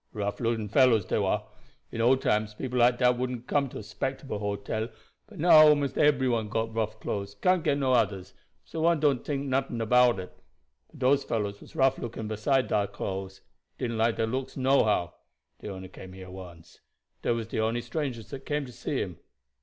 Rough looking fellows dey war. In old times people like dat wouldn't come to a 'spectable hotel, but now most ebery one got rough clothes, can't get no others, so one don't tink nuffin about it; but dose fellows was rough looking besides dar clothes. Didn't like dar looks nohow. Dey only came here once. Dey was de only strangers that came to see him.